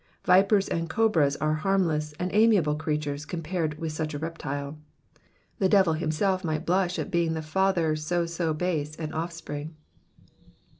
Vipers and cobras are harmless and amiable creatures compared with such a reptile. The devil himself might blush at being the father of so base an offspring.